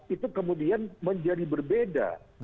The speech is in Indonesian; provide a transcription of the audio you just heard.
itu kemudian menjadi berbeda